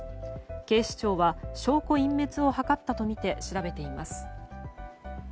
警視庁は証拠隠滅を図ったとみて調べています。